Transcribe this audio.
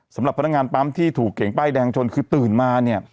สำหรับพนักงานปั๊มที่ถูกเก่งป้ายแดงชนคือตื่นมาเนี่ย